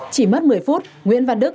chỉ mất một mươi phút nguyễn văn đức